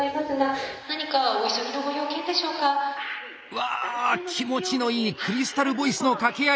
わ気持ちのいいクリスタルボイスの掛け合い。